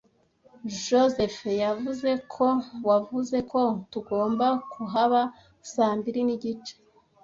Josehl yavuze ko wavuze ko tugomba kuhaba saa mbiri nigice.